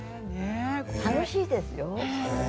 楽しいですよ。